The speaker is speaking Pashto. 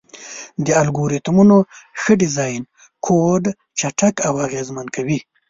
د الګوریتمونو ښه ډیزاین کوډ چټک او اغېزمن کوي.